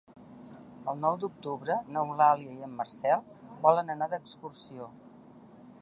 El nou d'octubre n'Eulàlia i en Marcel volen anar d'excursió.